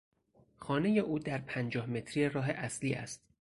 خانهی او در پنجاه متری راه اصلی است.